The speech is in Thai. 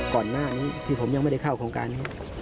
ก่อนหน้านี้ที่ผมยังไม่ได้เข้าโครงการครับ